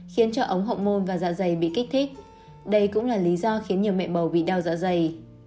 khiến cho ống hộng môn và dạ dày bị kích thích đây cũng là lý do khiến nhiều mẹ bầu bị đau dạ dày